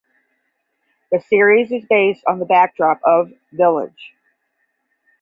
The series is based on the backdrop of Village.